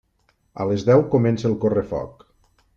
A les deu comença el correfoc.